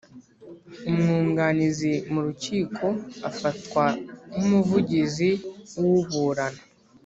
umwunganizi mu rukiko afatwa nkumuvugizi wuburana